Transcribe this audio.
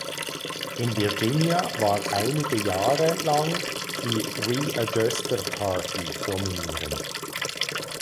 In Virginia war einige Jahre lang die Readjuster Party dominierend.